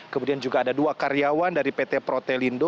kemudian juga ada dua karyawan dari pt protelindo